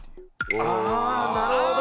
ああなるほど。